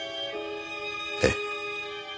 ええ。